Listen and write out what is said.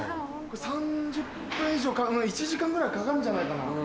３０分以上１時間ぐらいかかるんじゃないかな？